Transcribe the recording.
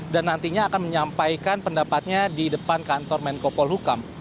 dan nantinya akan menyampaikan pendapatnya di depan kantor menkopol hukam